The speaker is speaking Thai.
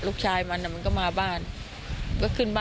พอลูกเขยกลับเข้าบ้านไปพร้อมกับหลานได้ยินเสียงปืนเลยนะคะ